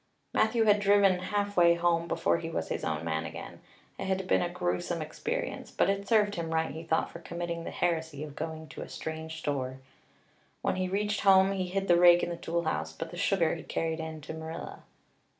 Matthew had driven halfway home before he was his own man again. It had been a gruesome experience, but it served him right, he thought, for committing the heresy of going to a strange store. When he reached home he hid the rake in the tool house, but the sugar he carried in to Marilla.